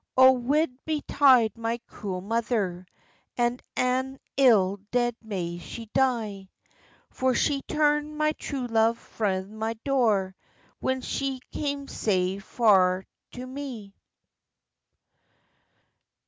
"O wae betide my cruel mother, And an ill dead may she die! For she turnd my true love frae my door, When she came sae far to me."